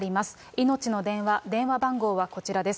いのちの電話、電話番号はこちらです。